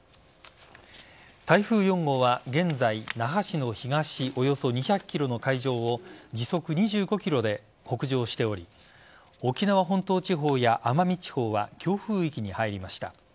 台風４号は現在、那覇市の東およそ２００ｋｍの海上を時速２５キロで北上しており沖縄本島地方や奄美地方は強風域に入りました。